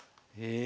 え。